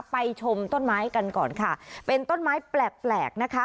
ชมต้นไม้กันก่อนค่ะเป็นต้นไม้แปลกแปลกนะคะ